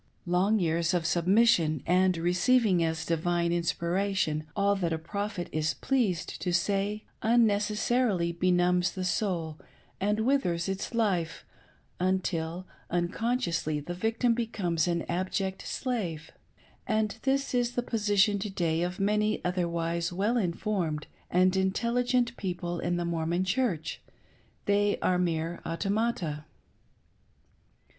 Long years of submission and receiving as divine inspiration 'all that a " Prophet " is pleased to say, necessarily benumbs the soul ?ind withers its life, until unconsciously the victim becomes an abject slave. And this is the position to day of many otherwise well informed and intelligent people in the Mormon Church^they are mere automata.